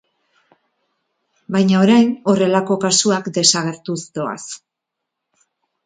Baina orain horrelako kasuak desagertuz doaz.